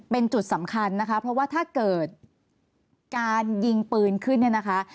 เป็นจุดสำคัญนะคะเพราะว่าถ้าเกิดการยิงปืนขึ้นเนี่ยนะคะ